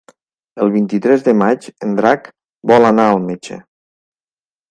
El vint-i-tres de maig en Drac vol anar al metge.